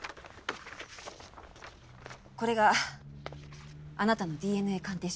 これがあなたのＤＮＡ鑑定書です。